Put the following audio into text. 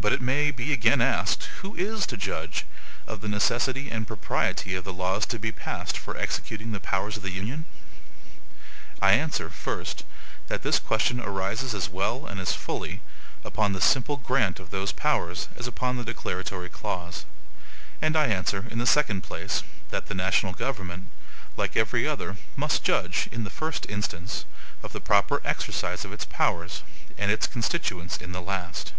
But it may be again asked, Who is to judge of the NECESSITY and PROPRIETY of the laws to be passed for executing the powers of the Union? I answer, first, that this question arises as well and as fully upon the simple grant of those powers as upon the declaratory clause; and I answer, in the second place, that the national government, like every other, must judge, in the first instance, of the proper exercise of its powers, and its constituents in the last.